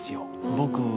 僕。